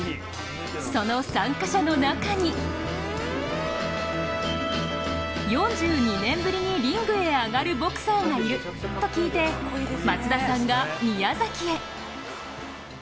その参加者の中に４２年ぶりにリングに上がるボクサーがいると聞いて松田さんが宮崎へ。